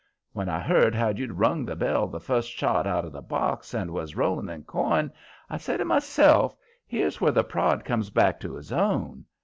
When I heard how you'd rung the bell the first shot out the box and was rolling in coin, I said to myself: 'Here's where the prod comes back to his own.'